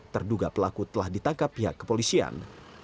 terduga pelaku telah ditangkap pihak kepolisian